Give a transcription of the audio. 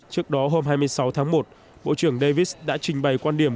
trước đó hôm hai mươi sáu tháng một bộ trưởng davis đã trình bày quan điểm